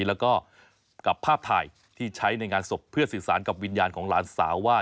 แล้วก็กับภาพถ่ายที่ใช้ในงานศพเพื่อสื่อสารกับวิญญาณของหลานสาวว่า